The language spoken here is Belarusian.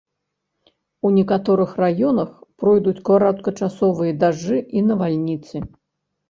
У некаторых раёнах пройдуць кароткачасовыя дажджы і навальніцы.